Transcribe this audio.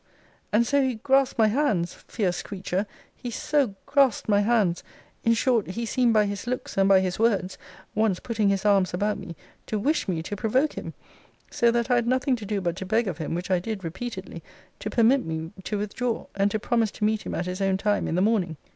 And so he grasped my hands! fierce creature; he so grasped my hands! In short, he seemed by his looks, and by his words (once putting his arms about me) to wish me to provoke him. So that I had nothing to do but to beg of him (which I did repeatedly) to permit me to withdraw: and to promise to meet him at his own time in the morning.